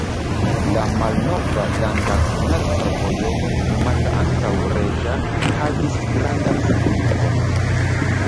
La malnova landa komerca vojo, nomata ankaŭ "reĝa", havis grandan signifon.